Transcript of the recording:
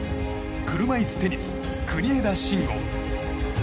車いすテニス、国枝慎吾。